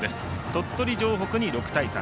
鳥取城北に６対３。